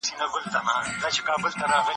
بزګر د آس په تندي مینه ناک لاس په مینه تېر کړ.